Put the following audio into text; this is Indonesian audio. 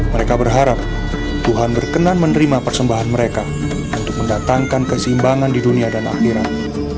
mereka berharap tuhan berkenan menerima persembahan mereka untuk mendatangkan keseimbangan di dunia dan akhirat